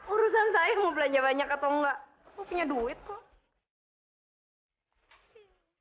urusan saya mau belanja banyak atau enggak aku punya duit kok